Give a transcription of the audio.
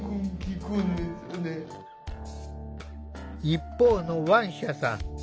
一方のワンシャさん。